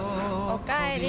おかえり。